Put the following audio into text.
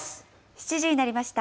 ７時になりました。